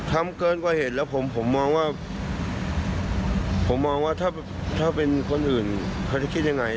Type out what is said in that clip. ทำเกินกว่าเหตุแล้วผมมองว่าผมมองว่าถ้าเป็นคนอื่นเขาจะคิดยังไง